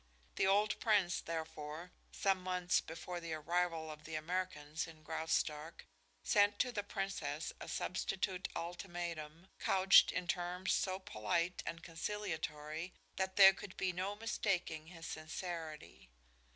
The old prince, therefore, some months before the arrival of the Americans in Graustark, sent to the Princess a substitute ultimatum, couched in terms so polite and conciliatory that there could be no mistaking his sincerity.